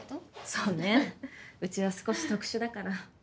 そうねうちは少し特殊だから。